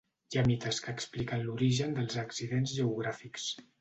Hi ha mites que expliquen l'origen dels accidents geogràfics.